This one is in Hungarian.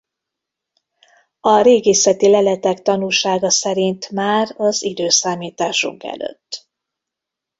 A régészeti leletek tanúsága szerint már az i.e.